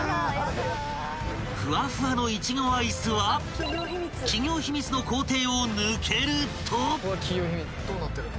［フワフワの苺アイスは企業秘密の工程を抜けると］